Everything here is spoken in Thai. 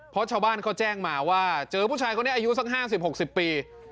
เพราะชาวบ้านเขาแจ้งมาว่าเจอผู้ชายคนนี้อายุสัก๕๐๖๐ปี